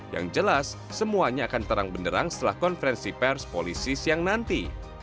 yang jelas semuanya akan terang benderang setelah konferensi pers polisi siang nanti